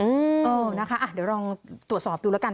เออนะคะเดี๋ยวลองตรวจสอบดูแล้วกัน